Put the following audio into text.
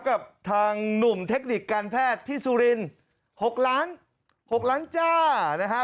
กับทางหนุ่มเทคนิคการแพทย์ที่สุริน๖ล้าน๖ล้านจ้านะฮะ